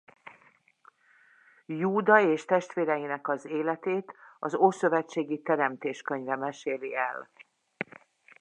Júda és testvéreinek az életét az ószövetségi Teremtés könyve meséli el.